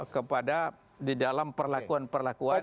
kepada di dalam perlakuan perlakuan